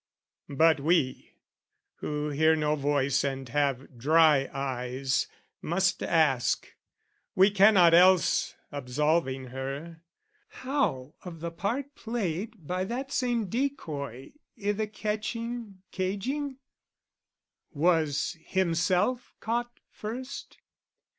But we, who hear no voice and have dry eyes, Must ask, we cannot else, absolving her, How of the part played by that same decoy I' the catching, caging? Was himself caught first?